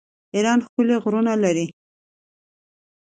ایران ښکلي غرونه لري.